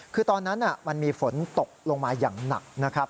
คือตอนนั้นมันมีฝนตกลงมาอย่างหนักนะครับ